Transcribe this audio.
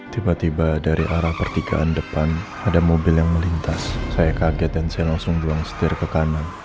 tiba tiba dari arah pertigaan depan ada mobil yang melintas saya kaget dan saya langsung buang setir ke kanan